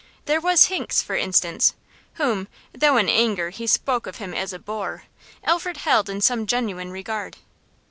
There was Hinks, for instance, whom, though in anger he spoke of him as a bore, Alfred held in some genuine regard.